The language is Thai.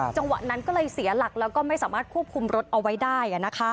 จังหวะนั้นก็เลยเสียหลักแล้วก็ไม่สามารถควบคุมรถเอาไว้ได้